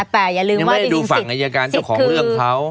ถ้าจะดูฝั่งอายการชาวของเรื่องเค้า